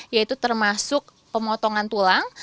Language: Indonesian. yaitu termasuk pemotongan tulang